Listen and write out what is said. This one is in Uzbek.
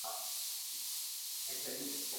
Har kuni qizcha kechki payt ostonaga chiqib qaradi